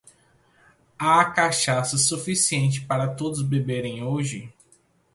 Há cachaça suficiente para todos beberem hoje?